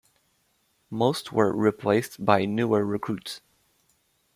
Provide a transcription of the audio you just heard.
Most were replaced by newer recruits.